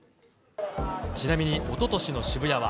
ちなみにおととしの渋谷は。